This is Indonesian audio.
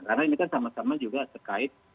karena ini kan sama sama juga sekait